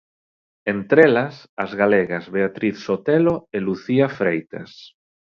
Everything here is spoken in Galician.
Entre elas, as galegas Beatriz Sotelo e Lucía Freitas.